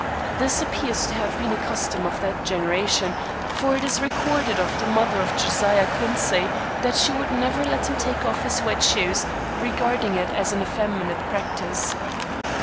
This appears to have been a custom of that generation, for it is recorded of the mother of Josiah Quincy that she would never let him take off his wet shoes, regarding it as an effeminate practice.